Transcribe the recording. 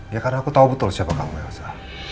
ya karena aku tahu betul siapa kamu elsa